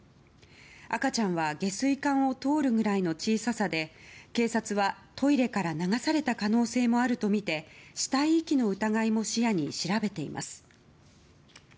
赤ちゃんは下水管を通るぐらいの小ささで警察は、トイレから流された可能性もあるとみて死体遺棄の疑いも視野に調べています。